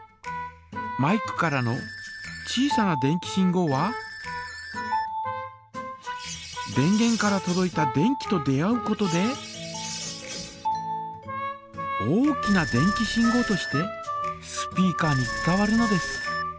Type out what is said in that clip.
マイクからの小さな電気信号は電げんからとどいた電気と出合うことで大きな電気信号としてスピーカーに伝わるのです。